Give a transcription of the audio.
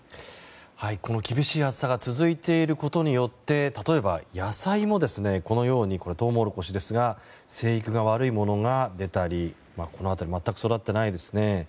この厳しい暑さが続いていることによって例えば、野菜もこれはトウモロコシですが生育が悪いものが出たりこの辺り全く育ってないですね。